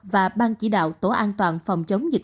và ban chỉ đạo tổ an toàn phòng chống dịch